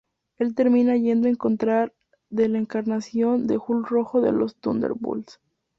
Él termina yendo en contra de la encarnación del Hulk Rojo de los Thunderbolts.